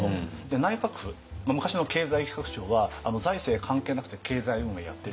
内閣府昔の経済企画庁は財政関係なくて経済運営やってるよねと。